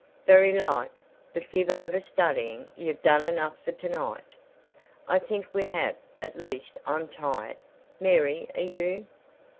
"Varry like: but give ower studying; ye've done enough for to night." "I think we have: at least I'm tired. Mary, are you?"